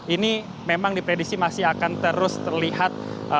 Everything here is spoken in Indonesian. ini memang diprediksi masih akan terus terlihat